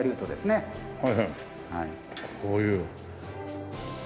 はいはいこういう。